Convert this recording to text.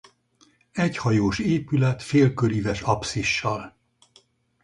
Egyhajós épület félköríves apszissal.